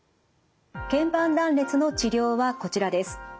けん板断裂の治療はこちらです。